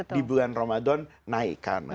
di bulan ramadan naikkan